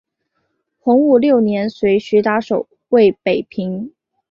洪武六年随徐达守卫北平。